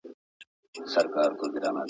نه یوه مسته ترانه سته زه به چیري ځمه!